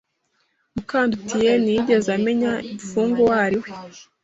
Mukandutiye ntiyigeze amenya imfungwa uwo ari we.